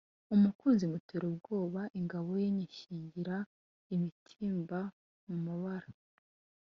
umukinzi mutera ubwoba ingabo ye nyishingira imitimba mu mabara